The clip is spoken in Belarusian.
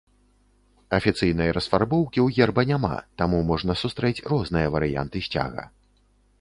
Афіцыйнай расфарбоўкі ў герба няма, таму можна сустрэць розныя варыянты сцяга.